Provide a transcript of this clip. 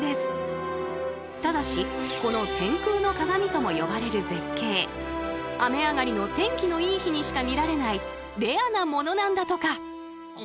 ただしこの「天空の鏡」とも呼ばれる絶景雨上がりの天気のいい日にしか見られないレアなものなんだとか。